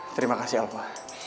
terima kasih alva